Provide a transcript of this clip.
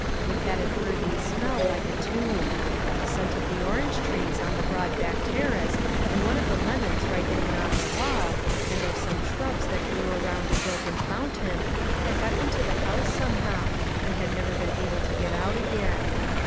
—it had an earthy smell, like a tomb. The scent of the orange trees on the broad back terrace, and of the lemons ripening on the wall, and of some shrubs that grew around a broken fountain, had got into the house somehow, and had never been able to get out again.